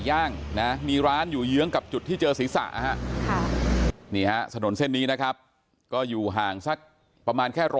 ย่างนะมีร้านอยู่เยื้องกับจุดที่เจอศีรษะนี่ฮะถนนเส้นนี้นะครับก็อยู่ห่างสักประมาณแค่๑๐๐